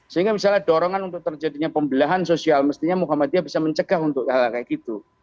sehingga misalnya dorongan untuk terjadinya pembelahan sosial mestinya muhammadiyah bisa mencegah untuk hal hal kayak gitu